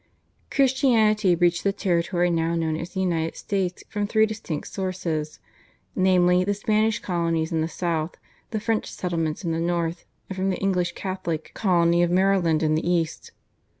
Christianity reached the territory now known as the United States from three distinct sources, namely, the Spanish colonies in the south, the French settlements in the north, and from the English Catholic colony of Maryland in the east.